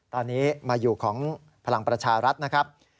ตอนนี้มาอยู่ของพลังประชารัฐนะครับ